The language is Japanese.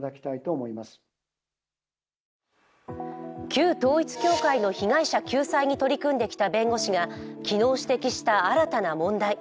旧統一教会の被害者救済に取り組んできた弁護士が昨日指摘した新たな問題。